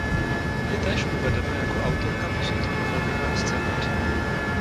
Je též uvedena jako autorka posudku filmového scénáře.